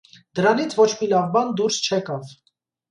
Դրանից ոչ մի լավ բան դուրս չեկավ։